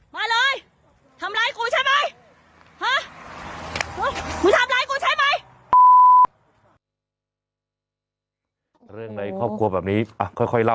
มั้ยกระเป๋ากระเป๋าลงเท้า